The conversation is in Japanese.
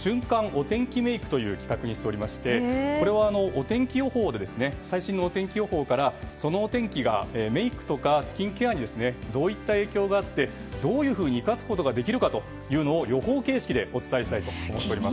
おてんきメイクという企画にしておりましてこれを天気予報からそのお天気がメイクとかスキンケアにどういった影響があってどういうふうに生かすことができるかを予報形式でお伝えしていきたいと思っています。